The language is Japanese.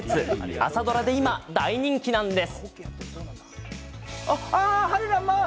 朝ドラで今、大人気なんです。